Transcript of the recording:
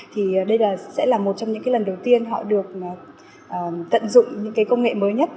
thì đây sẽ là một trong những lần đầu tiên họ được tận dụng những cái công nghệ mới nhất